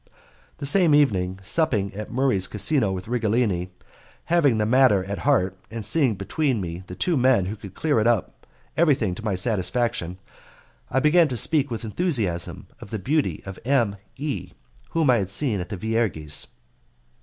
The same evening, supping at Murray's casino with Righelini, having the matter at heart, and seeing before me the two men who could clear up everything to my satisfaction, I began to speak with enthusiasm of the beauty of M E , whom I had seen at the Vierges.